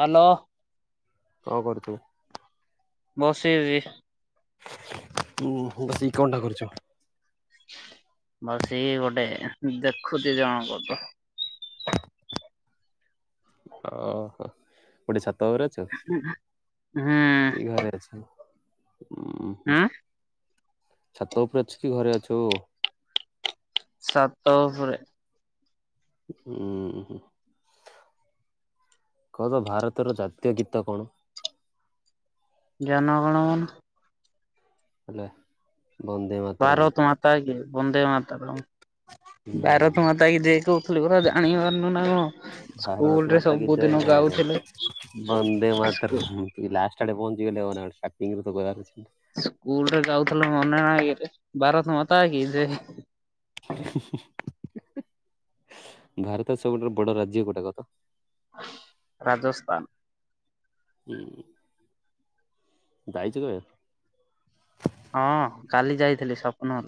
Hello. କଣ କରୁଥିଲ? ବସିଛି। ହଁ ବସିକି କଣଟା କରୁଛୁ? ବସିକି ଗୋଟେ ଦେଖୁଛି ଜଣକଠୁ ଓହୋ। କୋଠି ଛାତ ଘରେ ଅଛ ହୁଁ କି ଘରେ ଅଛ? ଉ ହଁ ହୁଁ ଛାତ ଉପରେ ଅଛୁ କି ଘରେ ଅଛୁ? ଛାତ ଉପରେ। ହୁଁ ହଁ କହ ତ ଭାରତର ଜାତୀୟ ଗୀତ କଣ? ଜନଗଣ। ନାଇଁ ବନ୍ଦେମା ଭାରତ ମାତା କି ବନ୍ଦେ ମାତାରାମ ହୁଁ ଭାରତ ମାତା କିି ଦେଖୁ ଆସଲି ପରା ଜଣିପରୁନା କଣ। ସ୍କୁଲ ଭାରତ ରେ ମାତା କି ସବୁଦିନ ଜୟ ନାଇରେ ଗାଉଥିଲେ। ବନ୍ଦେ ମାତରମ୍ ଲାଷ୍ଟ ଆଡେ ବନ୍ଦ ହେଇଗଲେ ହବନା କଣ ଷ୍ଟାର୍ଟିଂରୁ କହିବା କଥାନା। ସ୍କୁଲରେ ଗାଉଥିଲୁ ମନେ ନାଇକିରେ ଭାରତ ମାତା କି ଜୟ। ହିଁ ହିଁ ହିଁ ହିଁ ଭାରତ ସବୁଠାରୁ ବଡ ରାଜ୍ୟ କୋଉଟା କ ତ? ରାଜସ୍ଥାନ। ଉଁହଁ ଯାଇଛ କେବେ? ହଁ କାଲି ଯାଇଥିଲି ସ୍ୱପ୍ନ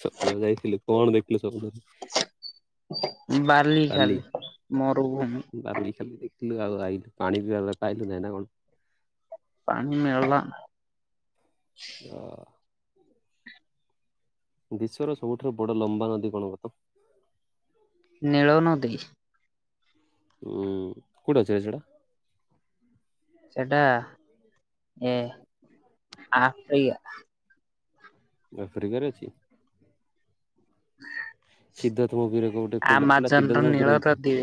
ସପ୍ନରେ ଯାଇଥିଲି କଣ ଦେଖିଲୁ ସପ୍ନ ବାଲି ମରୁଭୂମି ବାଲି ଖାଲି ଦେଖ ଥିଲୁ ଆଉ ଆଇଲୁ ପାଣି ପିଇଆକୁ ଆଇଲୁ ନା କଣ? ପାଣି ମିଳିଲା। ଅ ବିଶ୍ୱର ସବୁଠାରୁ ବଡ ଲମ୍ବା ନଦୀ କଣ କହ ତ? ନୀଳନଦୀ। କୋଉଠି ଅଛିରେ ସେଇଟା? ସେଟା ଏ ଆଫ୍ରିକା। ଆଫ୍ରିକାରେ ଅଛି? ସିଦ୍ଧାର୍ଥ ମୁଭିରେ ଗୋଟେ କୋଉଟା ଥିଲା ସିଦ୍ଧାର୍ଥ ଆମାଜନର ମୁଭିରେ ନୀଳ ବି ଥିଲା। ନଦୀ।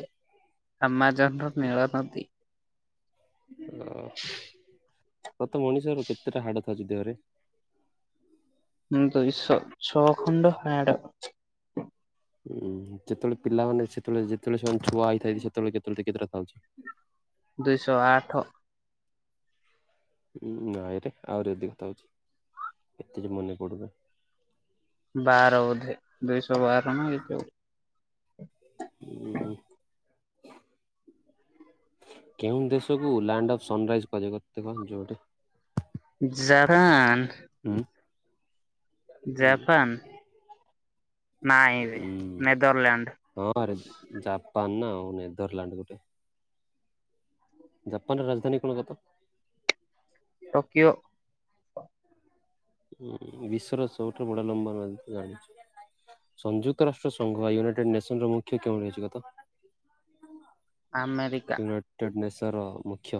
ଆମାଜନ୍ ର ନୀଳ ନଦୀ। ଓ ପ୍ରତ୍ୟେକ ମଣିଷର କେତେଟା ହାଡ ଥାଉଛି ଦେହରେ? ଉଁ ଦୁଇଶହ ଛଅ ଖଣ୍ଡ ହାଡ଼। ଉୁଁ ଯେତେବେଳେ ପିଲାମାନେ ସେତେବେଳେ ଯେତେବେଳେ ସେମାନେ ଛୁଆ ହେଇଥାନ୍ତି, ସେତେବେଳେ କେତେବେଳେ କେତେଟା ଥାଉଛି? ଦୁଇଶହ ଆଠ। ହୁଁ ନାଇଁରେ ଆହୁରି ଅଧିକ ଥାଉଛି, ଏତେ ଯେ ମନେ ପଡ଼ୁନି। ବାର ବୋଧେ ଦୁଇଶହ ବାର ନା [unintelligible] ଉଁ- ହୁଁ। କେଉଁ ଦେଶକୁ ଲ୍ୟାଣ୍ଡ ଅଫ୍ ସନରାଇଜ୍ କୁହାଯାଏ? [unintelligible] ଜାପାନ୍‌ ହୁଁ। ଜାପାନ୍‌ ନାଇଁରେ ଉଁ ନେଦରଲାଣ୍ଡ। ହଁ ରେ ଜାପାନ ନା ଆଉ, ନେଦରଲାଣ୍ଡ ଗୋଟେ ଜାପାନର ରାଜଧାନୀ କଣ କହ ତ? ଟୋକିଓ। ହୁଁ ବିଶ୍ଵର ସବୁଠୁ ବଡ଼ ନମ୍ବର ୱାନ୍ ତୁ ଜାଣିଚୁ। ସଂଯୁକ୍ତ ରାଷ୍ଟ୍ର ସଂଘ ୟୁନାଇଟେଡ଼ ନେସନ ର ମୁଖ୍ୟ କେଉଁଠି ରହିଛି କହ ତ? ଆମେରିକ୍ [unintelligible] ନେସର ମୁଖ୍ୟ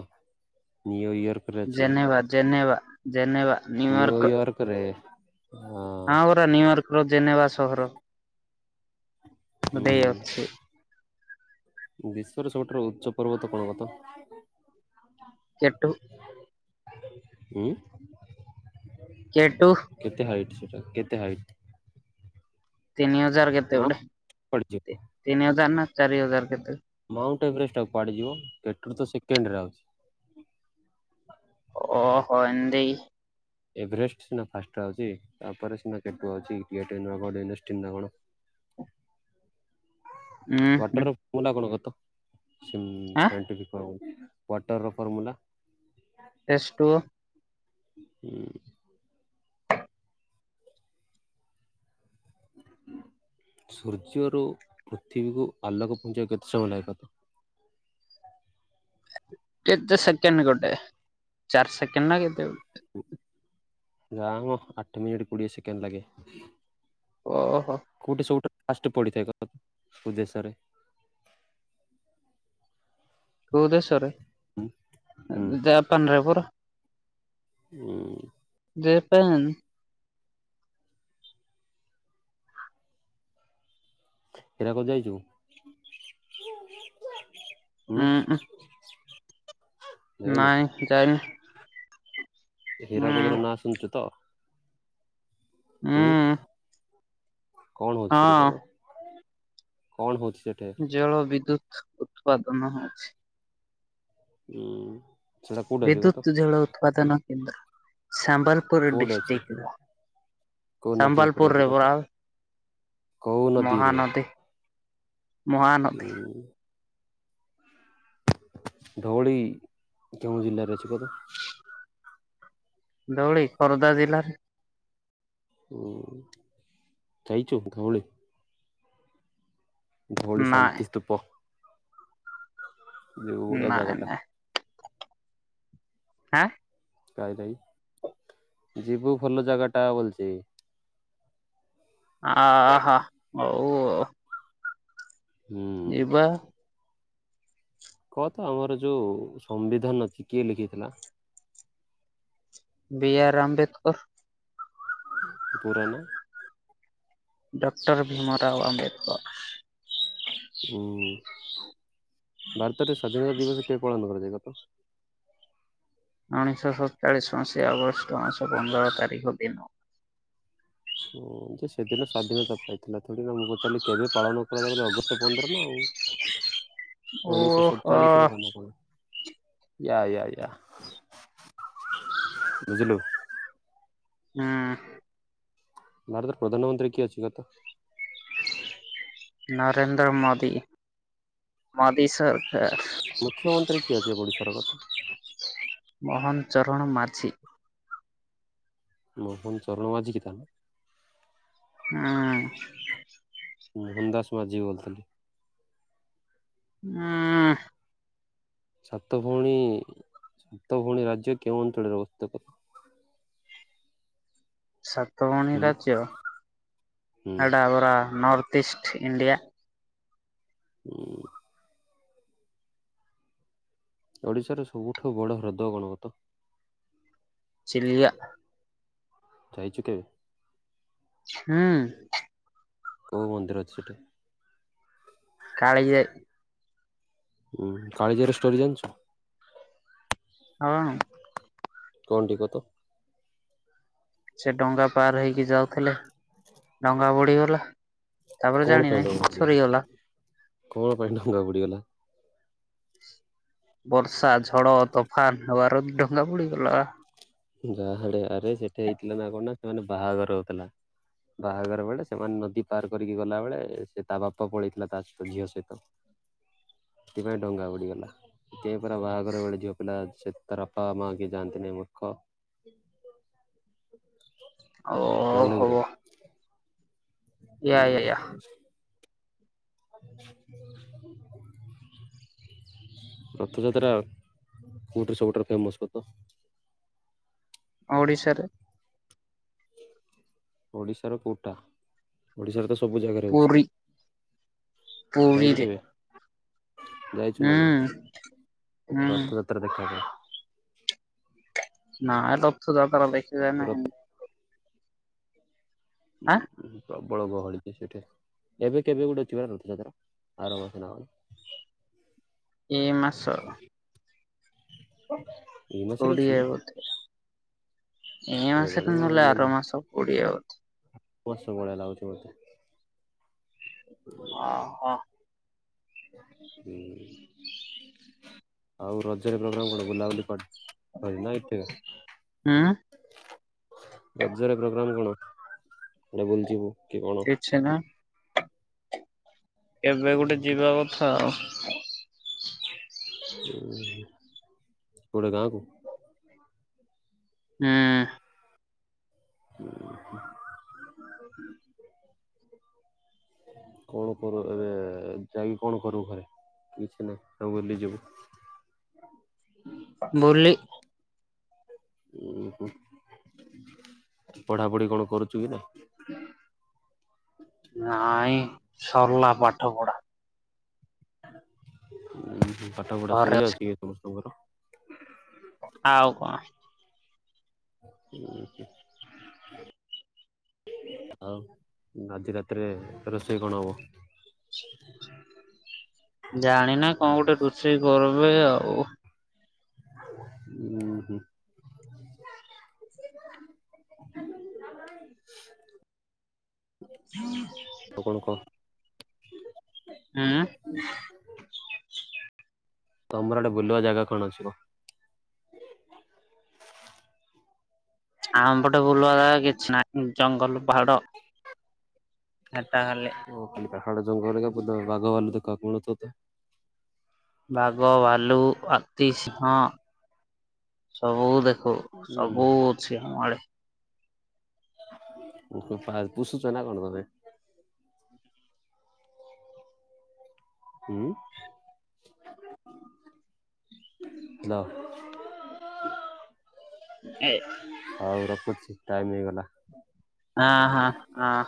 New York. Geneva, Geneva, Geneva New York ପରେ ହଁ। ହଁ ପରା ନିୟୁର୍କ ର ଜେନେବା ସହର ହୁଁ ଗୋଟେ ଅଛି ବିଶ୍ଵର ସବୁଠାରୁ ଉଚ୍ଚ ପର୍ବତ କଣ କହ ତ? କେଟୁ। ଉଁ। କେଟୁ। କେତେ ହାଇଟ୍ ସେଇଟା, କେତେ ହାଇଟ୍? ତିନି ହଜାର୍‌ କେତେ ମାଉଣ୍ଟ ଗୋଟେ, କୁଆଡେ ଯିବ? ତି -ତିନି ହଜାର୍‌ ନା ଚାରି ହଜାର କେତେ? ମାଉଣ୍ଟ ଏଭରେଷ୍ଟ ଆଉ କୁଆଡ଼େ ଯିବ, କେଟର ତ ସେକେଣ୍ଡରେ ଆଉଛି। ଓ ହୋ ଏମିତି। ଏଭରେଷ୍ଟ ସିନା ଫାଷ୍ଟ ଆଉଛି ତାପରେ ସିନା ଗେଟକେ ଅଛି ଉଁ ହୁଁ ୱାଟର ପୁଅ ନା କଣ କହ ତ? ଆ ସେଣ୍ଟ ପିଟର ୱାଟର ର ଫର୍ମୁଲା? H two O. ହୁଁ। ସୂର୍ଯ୍ୟରୁ ପୃଥିବୀକୁ ଆଲୋକ ପହଞ୍ଚିବାକୁ କେତେ ସମୟ ଲାଗିବ କହ ତ? କେତେ ସେକେଣ୍ଡ ଗୋଟେ, ଚାରି ସେକେଣ୍ଡ ନା କେତେ ଗୋଟେ? ଯା ମ ଆଠ ମିନିଟ୍‌ କୋଡ଼ିଏ ସେକେଣ୍ଡ ଲାଗେ। ଓ ହୋ। କୋଉଠି ସବୁଠୁ ଫାଷ୍ଟେ ପଡ଼ିଥାଏ କହତ କୋଉ ଦେଶରେ? କୋଉ ଦେଶରେ ହୁଁ ହୁଁ ଜାପାନରେ ପରା। ଉଁ ଜାପାନ୍‌ ହୀରାକୁଦ ଯାଇଚୁ? ଉଁ ନାଇଁ ଯାଇନି। ଉଁ ହୀରାକୁଦର ନାଁ ଶୁଣିଚୁ ତ? ଉଁ କଣ ହୋଉଛି ସେଠି ହଁ କହିଲ କଣ ହୋଉଛି ସେଠି? ଜଳ ବିଦ୍ୟୁତ୍ ଉତ୍ପାଦନ ହୋଉଛି। ଉଁ ସେଟା କୋଉଠି ଅଛି କହ ତ ବିଦ୍ୟୁତ୍‌ ଜଳ ଉତ୍ପାଦନ କେନ୍ଦ୍ର। ସମ୍ବଲପୁର କୋଉଠି ଅଛି ଡିଷ୍ଟିକରେ କୋଉ ନଦୀ ଉପରେ ଅଛି ସମ୍ବଲପୁରରେ କହ ତ ବଲ କୋଉ ନଦୀରେ? ମହାନଦୀ। ଉଁ ଧଉଳି କେଉଁ ଜିଲ୍ଲାରେ ଅଛି କହତ? ଧଉଳି ଖୋର୍ଦ୍ଧା ଜିଲ୍ଲାରେ। ଉଁ ଯାଇଚୁ ଧଉଳି। ଧଉଳି ନାଇଁ ଶାନ୍ତି ସ୍ତୂପ ଯୋଉ ବଢିଆ ନାଇଁ ଜାଗାଟା। ନାଇଁ ହାଁ? କାଳିଜାଇ ଯିବୁ ଭଲ ଜାଗାଟା ବୁଲଛି। ଆହା ହୋଉ ଉ ହୁଁ। କହ ତ ଆମର ଯୋଉ ସମ୍ବିଧାନ ଅଛି କିଏ ଲେଖିଥିଲା? ବି ଆର୍ ଆମ୍ବେେଦକର୍। ପୁରା ନାଁ? ଡକ୍ଟର ଭିମ ରାଓ ଆମ୍ବେେଦକର୍। ଉଁ ଭାରତରେ ସ୍ଵାଧୀନତା ଦିବସ କେବେ ପାଳନ କରାଯାଏ କହ ତ? ଉଣେଇଶହ ସରଚାଳିଶ ମସିହା ଅଗଷ୍ଟ ମାସ ପନ୍ଦର ତାରିଖ ଦିନ। ହୁଁ ଯେ ସେଦିନ ସ୍ଵାଧୀନତା ପାଇଥିଲା ଥୋଡି ନା ମୁଁ ପଚାରିଲି କେବେ ପାଳନ କରାଯାଏ ଅଗଷ୍ଟ ପନ୍ଦର ନା ଆଉ। ଉଣେଇଶହ ଓହୋ। ସରଚାଳିଶରେ ହୁଏ ନା କଣ? ୟା ୟା ୟା ବୁଝିଲୁ। ହୁଁ। ଭାରତର ପ୍ରଧାନମନ୍ତ୍ରୀ କିଏ ଅଛି କହତ? ନରେନ୍ଦ୍ର ମୋଦି ମୋଦି ସରକାର। ମୁଖ୍ୟମନ୍ତ୍ରୀ କିଏ ଅଛି ଓଡ଼ିଶାର କତ? ମୋହନ ଚରଣ ମାଝୀ। ମୋହନ ଚରଣ ମାଝୀ କି ତା ନାଁ? ହୁଁ। ମୋହନ ଦାସ ମାଝି ବୋଲଥିଲେ। ନା। ସାତ ଭଉଣୀ ସାତ ଭଉଣୀ ରାଜ୍ୟ କେଉଁ ଅଞ୍ଚଳରେ ଅବସ୍ଥିତ କ? ସାତ ଭୋଉଣୀ ରାଜ୍ୟ ହୁଁ ହେଟା ହବ ରା ନର୍ଥ ଇଷ୍ଟ ଇଣ୍ଡିଆ। ଉଁ। ଓଡିଶାର ସବୁଠୁ ବଡ ହ୍ରଦ କଣ କହ ତ? ଚିଲିକା। ଯାଇଚୁ କେବେ? ହୁଁ। କୋଉ ମନ୍ଦିର ଅଛି ସେଠି? କାଳିଜାଇ। ହୁଁ କାଳିଜାଇର ଷ୍ଟୋରି ଜାଣିଛ? ହଁ। [unintelligible] ଟିକେ ତ? ସେ ଡଙ୍ଗା ପାର ହେଇକି ଯାଉଥିଲେ, ଡଙ୍ଗା ବୁଡିଗଲା। ତାପରେ କଣ ପାଇଁ ଜାଣିନାହିଁ ଡଙ୍ଗା ବୁଡିଗଲା? ସରିଗଲା। କଣ ପାଇଁ ଡଙ୍ଗା ବୁଡିଗଲା? ବର୍ଷା, ଝଡ଼, ତୋଫାନ, ହୱାର ଡଙ୍ଗା ବୁ଼ଡି ଗଲା। ଜାହାଡେ ଆରେ ସେଠି ହେଇଥିଲା, ନା କଣ ନା ସେମାନେ ବାହାଘର ହଉଥିଲା। ବାହାଘର ବେଳେ ସେମାନେ ନଦୀ ପାର କରିକି ଗଲାବେେଳେ, ସେ ତା ବାପା ପଳେଇଥିଲା, ତା ସହିତ ଝିଅ ସହିତ। ସେଥିପାଇଁ ଡଙ୍ଗା ବୁଡିଗଲା। ସେପରା ବାହାଘର ବେଳେ, ଝିଅ ପିଲା ସେତାର ବାପା, ମା କେ ଯାଆନ୍ତିନି ମ ଖ ଓ ଜାଣିନୁ ହବ କିରେ। ୟା, ଉଁ ୟା, ୟା [inaudible] ରଥଯାତ୍ରା କୋଉଠି ସବୁଠାରୁ ଫେମସ୍ କହ ତ? ଓଡିଶାରେ। ଓଡ଼ିଶାର କଉଟା ଓଡ଼ିଶାରେ ତ ସବୁ ଜାଗାରେ ହଉଚି। ପୁରୀ ଯାଇଚୁ ପୁରୀରେ କେବେ ଯାଇଚୁ ହୁଁ ନା ନାହିଁ ହୁଁ ରଥଯାତ ତ୍ରା ଦେଖିବା ପାଇଁ। ନା ରଥଯାତେରା ଦେଖିବା ରଥ ନାହିଁ। ଆଁ। ପ୍ରବଳ ଗହଳି ହେଇଚି ସେଠି ଏବେ କେବେ ଗୋଟେ ଯିବ ରଥଯାତ୍ରା ଆର ମାସ ନା କଣ୍। ଏଇ ମାସ। ଏଇ ମାସରେ ଅଛି? କୋଡିଏ ବୋଧେ ଏଇ ମାସରେ ନହଲେ ଆର ମାସ କୋଡିଏ ଆଉ। ବଷ ଭଳିଆ ଲାଗୁଚି ମୋତେ। ଅ ହ। ଉ ଆଉ ରଜରେ ପ୍ରୋଗ୍ରାମ୍ କଣ ବୁଲାବୁଲି [unintelligible] ଉଁ ରଜରେ ପୋଗ୍ରାମ କଣ କୁଆଡେ ବୁଲିଯିବୁ କି କଣ? ଛେ ନା। ଏବେ ଗୋଟେ ଯିବା କଥା ଆଉ। ଉ କୁଆଡେ ଗାଁକୁ? ହୁଁ କଣ କରୁ ଏବେ ଯାଇକି କଣ କରୁ ଘରେ କିଛି ନାହିଁ ଆଉ ବୁଲି ଯିବୁ? ବୁଲି। ଉ ହୁଁ ପଢାପଢି କଣ କରୁଛୁ କି ନାଇଁ? ନାଇଁ ସର୍ଲା ପାଠ ପଢା। ପାଠ ପଢା ଘରେ ଅଛି ସରିଯାଉଚି କି ସମସ୍ତଙ୍କର? ଆଉ କଣ? ଆଉ ଆଜି ରାତିରେ ରୋଷେଇ କଣ ହବ? ଜାଣିନି କଣ ଗୋଟେ ରୋଷେଇ କରିବେ ଆଉ। ଉଁ ହୁଁ। [inaudible] ଆଉ କଣ କ। ହୁଁ। ତମର ଆଡେ ବୁଲିବାକୁ ଜାଗା କଣ ଅଛି କହ। ଆମ ପଟେ ବୁଲବା କିଛି ନାହିଁ ଜଙ୍ଗଲ ପାହାଡ। ଏଟା ଖାଲି [unintelligible] ପାହାଡ ଜଙ୍ଗଲରେ ପୁରା ବାଘ ଭାଲୁ ଦେଖ [unintelligible] ବାଘ ଭାଲୁ ହାତୀ ସିିଂହ। ସବୁ ଦେଖୁ ସବୁ ଅଛି ଆମ ଆଡେ। ପା ପୁଶୁଚ ନା କଣ ତମେ। ହୁଁ। ହାଲୋ। ଏ ଆଉ ରଖୁଚି ଟାଇମ୍ ହେଇଗଲା। ହଁ ହଁ ହଁ।